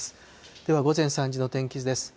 では午前３時の天気図です。